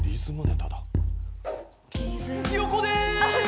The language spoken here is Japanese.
横でーす。